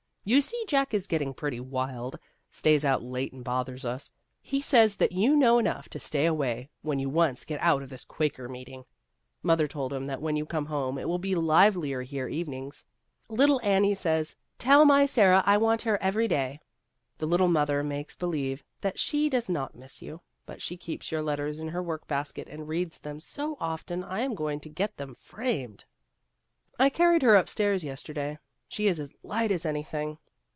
You see, Jack is getting pretty wild stays out late and bothers us. He says that you know enough to stay away when you once get out of this ' Quaker meeting.' Mother told him that when you come home it will be livelier here evenings. Little Annie says, ' Tell my Sara I want her every day.' The little Mother makes believe that she does not miss you, but she keeps your let ters in her work basket, and reads them so often that I am going to get them framed. I carried her up stairs yesterday. She is as light as anything.